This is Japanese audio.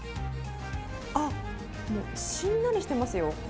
あっ、もうしんなりしてますよ。